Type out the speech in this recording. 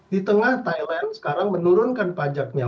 di tengah thailand sekarang menurunkan pajaknya